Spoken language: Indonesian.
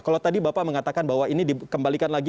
kalau tadi bapak mengatakan bahwa ini dikembalikan ke rumah